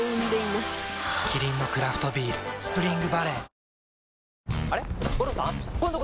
キリンのクラフトビール「スプリングバレー」